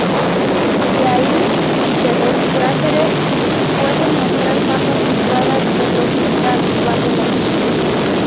De ahí que los cráteres pueden mostrar capas situadas en profundidad bajo la superficie.